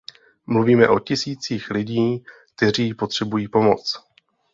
Mluvíme o tisících lidí, kteří potřebují pomoc.